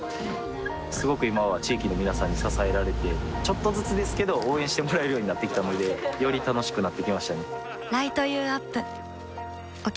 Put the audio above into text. すごく今は地域の皆さんに支えられてちょっとずつですけど応援してもらえるようになってきたのでより楽しくなってきましたね